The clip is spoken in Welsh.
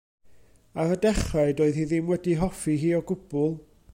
Ar y dechrau doedd hi ddim wedi'i hoffi hi o gwbl.